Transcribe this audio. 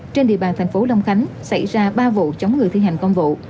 trên địa bàn thành phố long khánh xảy ra ba vụ chống ngừa thi hành công vụ